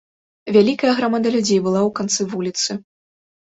Вялікая грамада людзей была ў канцы вуліцы.